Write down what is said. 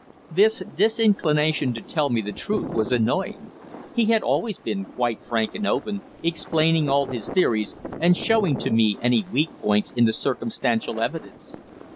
This disinclination to tell me the truth was annoying. He had always been quite frank and open, explaining all his theories, and showing to me any weak points in the circumstantial evidence.